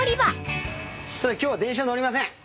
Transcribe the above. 今日は電車乗りません。